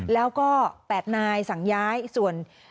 แล้วก็๘นายสั่งย้ายส่วน